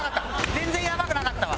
全然やばくなかったわ。